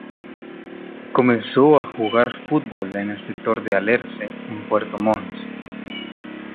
Comenzó a jugar fútbol en el sector de Alerce, en Puerto Montt.